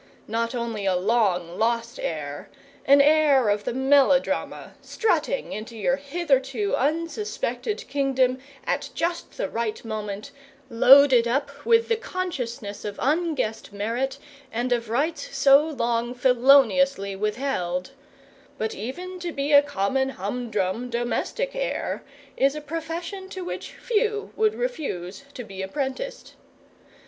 Not only a long lost heir an heir of the melodrama, strutting into your hitherto unsuspected kingdom at just the right moment, loaded up with the consciousness of unguessed merit and of rights so long feloniously withheld but even to be a common humdrum domestic heir is a profession to which few would refuse to be apprenticed.